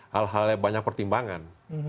hal halnya banyak pertimbangan